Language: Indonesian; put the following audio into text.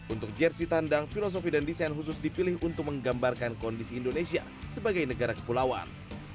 untuk jersi tandang filosofi dan desain khusus dipilih untuk menggambarkan kondisi indonesia sebagai negara kepulauan